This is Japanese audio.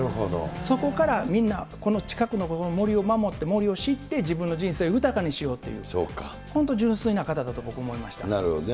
そこからみんな、この近くの森を守って、森を知って、自分の人生を豊かにしようという、本当、なるほどね。